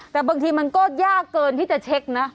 แต่บางทีมันก็ยากเกินที่จะเช็คนะ